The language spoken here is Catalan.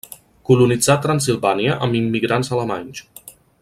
Colonitzà Transsilvània amb immigrants alemanys.